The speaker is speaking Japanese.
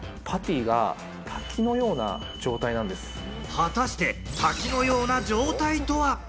果たして滝のような状態とは？